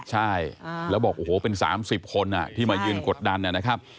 ใช่แล้วบอกโอ้โหเป็น๓๐คนที่มายืนกดดันนะครับ